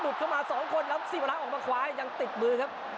หนุบเข้ามาสองคนแล้วสิบวันแล้วออกมาขวายังติดมือครับ